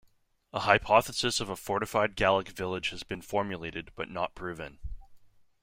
A hypothesis of a fortified Gallic village has been formulated, but not proven.